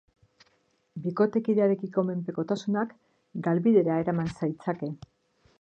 Bikotekidearekiko menpekotasunak galbidera eraman zaitzake.